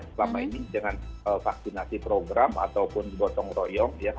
selama ini dengan vaksinasi program ataupun gotong royong ya